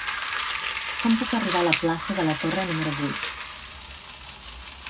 Com puc arribar a la plaça de la Torre número vuit?